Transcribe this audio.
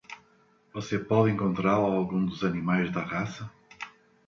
Você pode encontrar alguns dos animais da raça?